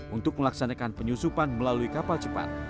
untuk melaksanakan penyusupan melalui kapal cepat